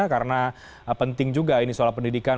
karena penting juga ini soal pendidikan